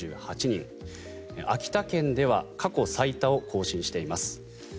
秋田県では過去最多を更新しています。